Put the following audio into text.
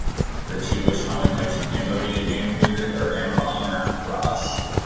The two most common types of Cambodian dance music are ramvong and ramkbach.